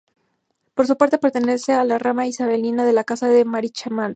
Por su parte, pertenece a la rama isabelina de la Casa de Marichalar.